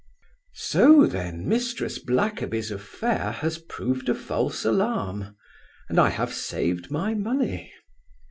So then Mrs Blackerby's affair has proved a false alarm, and I have saved my money?